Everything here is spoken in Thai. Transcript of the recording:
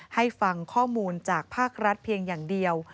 ให้ฟังข้อมูลจากภาครัฐเพียงอย่างเดียว